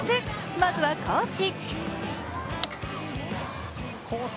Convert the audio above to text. まずは高知。